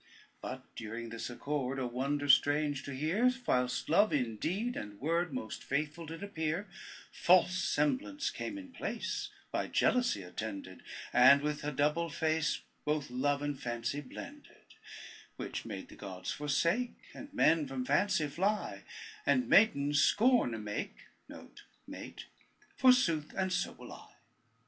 But during this accord, A wonder strange to hear, Whilst Love in deed and word Most faithful did appear, False semblance came in place, By Jealousy attended, And with a double face Both love and fancy blended; Which made the gods forsake, And men from fancy fly, And maidens scorn a make, Forsooth, and so will I.